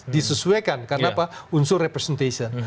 disesuaikan karena apa unsur representation